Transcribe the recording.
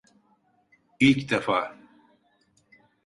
İlk defa.